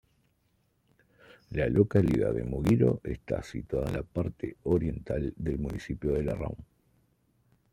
La localidad de Muguiro está situada en la parte oriental del municipio de Larráun.